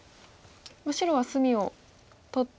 白は隅を取って。